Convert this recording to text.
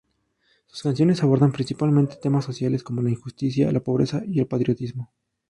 Sus canciones abordan principalmente temas sociales como las injusticias, la pobreza y el patriotismo.